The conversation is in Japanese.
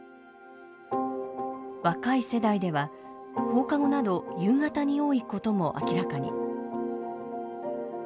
若い世代では放課後など夕方に多いことも明らかに。